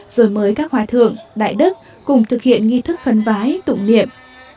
rồi mới các hòa thượng đại đức cùng thực hiện nghi thức khấn vái tụng niệm